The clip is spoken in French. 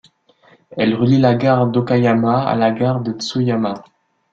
Elle relie la gare d'Okayama à la gare de Tsuyama.